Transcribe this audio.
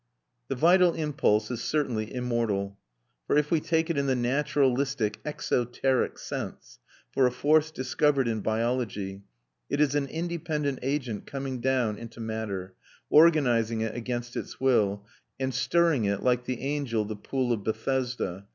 ] The vital impulse is certainly immortal; for if we take it in the naturalistic exoteric sense, for a force discovered in biology, it is an independent agent coming down into matter, organising it against its will, and stirring it like the angel the pool of Bethesda.